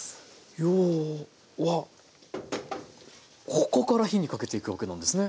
要はここから火にかけていくわけなんですね。